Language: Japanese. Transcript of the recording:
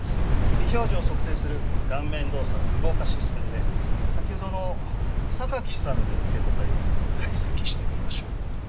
微表情を測定する顔面動作符号化システムで先ほどの榊さんの受け答えを解析してみましょう。